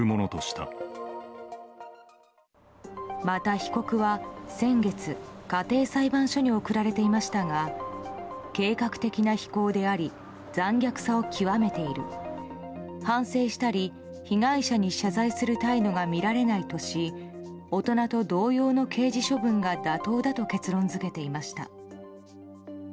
また被告は、先月家庭裁判所に送られていましたが計画的な非行であり残虐さを極めている反省したり被害者に謝罪する態度が見られないとし大人と同様の刑事処分が妥当だと結論付けていました。